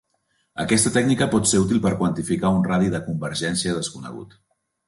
Aquesta tècnica pot ser útil per quantificar un radi de convergència desconegut.